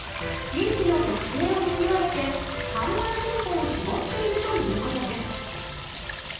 地域の特性を見極めて、販売店舗を絞っているということです。